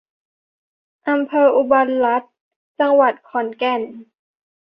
อำเภออุบลรัตน์ จังหวัดขอนแก่น